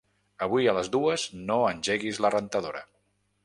Avui a les dues no engeguis la rentadora.